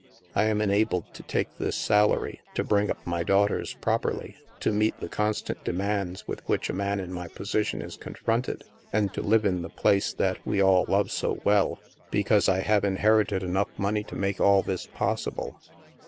I am enabled to take this salary, to bring up my daughters properly, to meet the constant demands with which a man in my posi tion is confronted, and to live in the place that we all love so well, because I have inherited enough i6 THE MASK money to make all this possible.